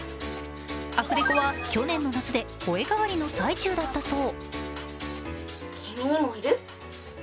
アフレコは去年の夏で声変わりの最中だったそう。